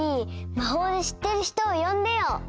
まほうでしってる人をよんでよ！